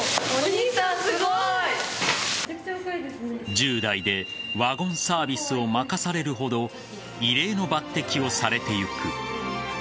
１０代でワゴンサービスを任されるほど異例の抜擢をされていく。